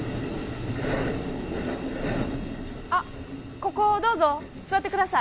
ここ、どうぞ座ってください。